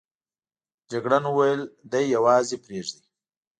جګړن وویل دی یوازې پرېږده.